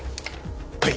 はい。